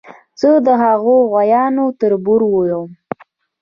زه د هغو غوایانو تربور یم.